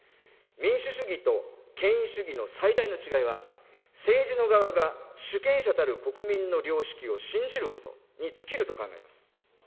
民主主義と権威主義の最大の違いは、政治の側が主権者たる国民の良識を信じることに尽きると考えます。